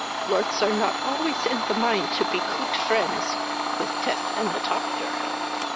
Lorts are not always in the mind to be coot friends with teath and the toctor."